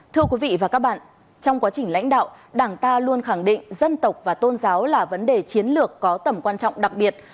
thưa quý vị và các bạn trong quá trình lãnh đạo đảng ta luôn khẳng định dân tộc và tôn giáo là vấn đề chiến lược có tầm quan trọng đặc biệt